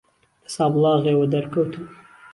له سابڵاغێ وه دهر کهوتم